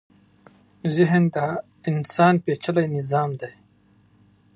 ذهن د انسان پېچلی نظام دی.